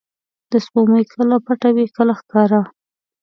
• سپوږمۍ کله پټه وي، کله ښکاره.